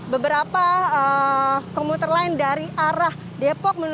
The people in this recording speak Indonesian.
beberapa komuter lain dari arah depok